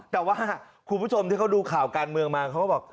แต่ว่าคุณผู้ชมที่เขาดูข่าวการเมืองมาเขาก็บอก